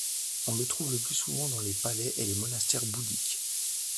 On le trouve le plus souvent dans les palais et les monastères bouddhiques.